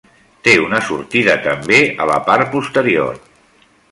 Té una sortida també a la part posterior.